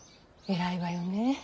偉いわよねえ。